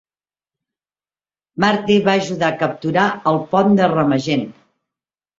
Marty va ajudar a capturar el pont de Remagen.